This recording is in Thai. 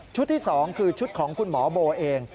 ที่๒คือชุดของคุณหมอโบเอง